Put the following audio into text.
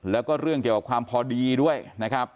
แล้วก็เรื่องเกี่ยวกับความพอดีด้วยนะครับ